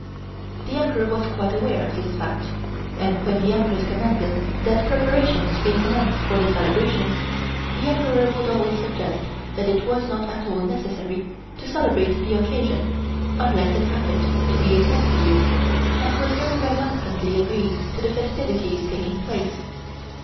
The Emperor was quite aware of this fact, and when the Empress commanded that preparations be commenced for the celebrations, the Emperor would always suggest that it was not at all necessary to celebrate the occasion unless it happened to be a tenth year, and would very reluctantly agree to the festivities taking place.